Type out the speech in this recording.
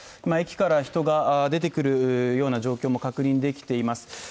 駅から人が出てくるような状況も確認できています。